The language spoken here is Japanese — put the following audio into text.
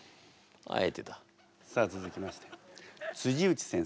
さあ続きまして内先生